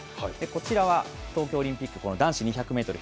こちらは、東京オリンピック男子２００メートル